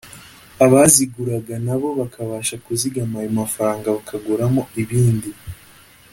abaziguraga na bo bakabasha kuzigama ayo mafaranga bakaguramo ibindi